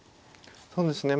そうですね。